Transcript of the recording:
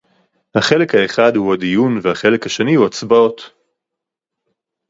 החלק האחד הוא הדיון והחלק השני הוא הצבעות